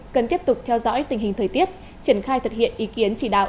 cần tiếp tục theo dõi tình hình thời tiết triển khai thực hiện ý kiến chỉ đạo